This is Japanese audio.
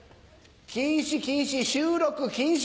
禁止禁止収録禁止！